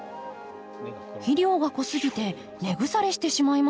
肥料が濃すぎて根腐れしてしまいました。